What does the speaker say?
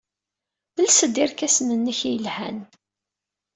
Els-d irkasen-nnek yelhan.